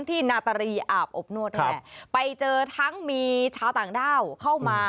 ที่นาตาลีอาบอบนวดไปเจอทั้งมีชาวต่างด้าวเข้ามา